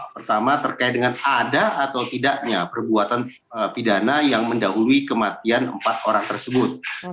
pertama terkait dengan ada atau tidaknya perbuatan pidana yang mendahului kematian empat orang tersebut